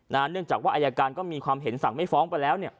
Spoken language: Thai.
เนื่องจากว่าอายการก็มีความเห็นสั่งไม่ฟ้องไปแล้ว